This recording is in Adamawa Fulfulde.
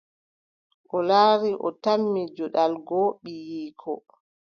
O laari, o tammi juɗal goo, ɓiyiiko ;